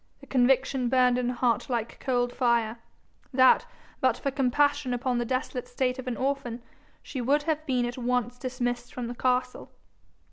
The conviction burned in her heart like cold fire, that, but for compassion upon the desolate state of an orphan, she would have been at once dismissed from the castle.